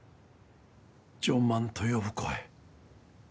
「ジョン万」と呼ぶ声。